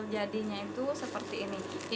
hasil jadinya itu kita buat bersih langsung cuci pakai